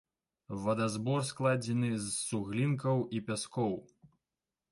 Вадазбор складзены з суглінкаў і пяскоў.